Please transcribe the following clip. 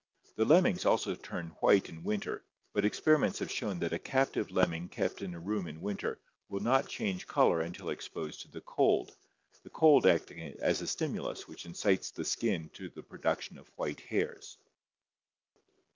The lemmings also turn white in winter but experiments have shown that a captive lemming kept in a room in winter will not change color until exposed to the cold, the cold acting as a stimulus which incites the skin to the production of white hairs. Standard Faunal Ground Colors.